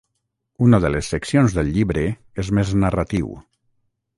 Una de les seccions del llibre és més narratiu.